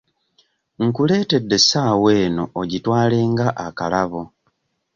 Nkuleetedde essaawa eno ogitwale nga akalabo.